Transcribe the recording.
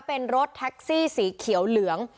เป็นรถแท็กซี่สีเขียวเหลือง